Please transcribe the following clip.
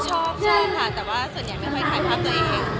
ชอบชอบค่ะแต่ว่าส่วนใหญ่ไม่ค่อยถ่ายภาพตัวเอง